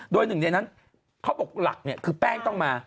โดยหนึ่งในนั้นเขาบอกหลักเนี่ยคือแป้งต้องมา